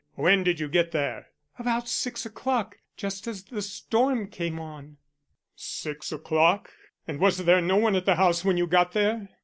When did you get there?" "About six o'clock just as the storm came on." "Six o'clock? And was there no one at the house when you got there?"